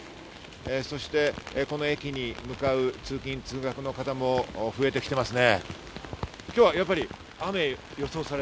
そして、この駅に向かう通勤・通学の方も増えてきていますね。